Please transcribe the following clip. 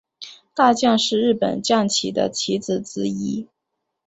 大将是日本将棋的棋子之一。